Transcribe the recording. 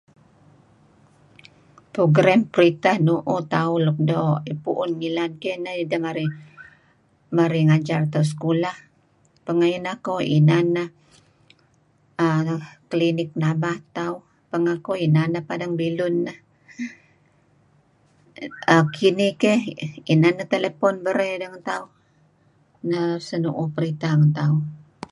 Program pritah nu'uh tauh lem luk doo' pu'un ngilad keyh, neh nideh marih... marih ngajar tauh sekulah, pengeh ineh ko' inan neh err... klinik penabat tauh. pengeh ko' ineh inan neh padang bilun iih. Kinih keyh inan neh telepon berey deh ngen tauh. Neh senu'uh peritah ngen tauh.